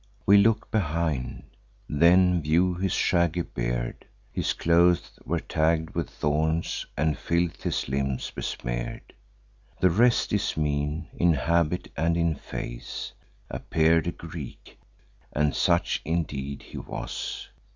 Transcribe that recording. We look behind, then view his shaggy beard; His clothes were tagg'd with thorns, and filth his limbs besmear'd; The rest, in mien, in habit, and in face, Appear'd a Greek, and such indeed he was.